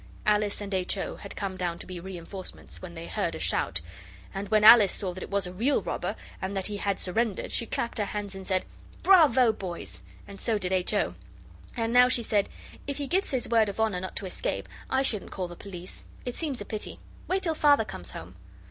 Alice and H. O. had come down to be reinforcements, when they heard a shout, and when Alice saw that it was a Real Robber, and that he had surrendered, she clapped her hands and said, 'Bravo, boys!' and so did H. O. And now she said, 'If he gives his word of honour not to escape, I shouldn't call the police: it seems a pity. Wait till Father comes home.